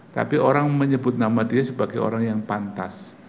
tapi orang menyebut nama dia sebagai orang yang pantas